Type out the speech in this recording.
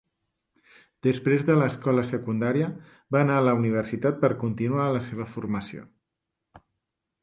Després de l'escola secundària, va anar a la universitat per continuar la seva formació.